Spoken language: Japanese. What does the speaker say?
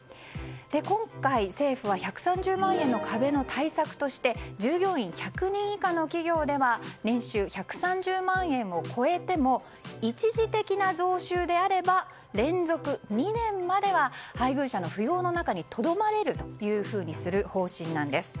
今回、政府は１３０万円の壁の対策として従業員１００人以下の企業では年収１３０万円を超えても一時的な増収であれば連続２年までは配偶者の扶養の中にとどまれるというふうにする方針なんです。